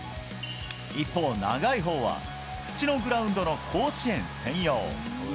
一方、長いほうは土のグラウンドの甲子園専用。